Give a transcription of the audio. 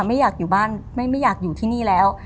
ไม่อยากอยู่บ้านไม่อยากอยู่ที่นี่แล้ว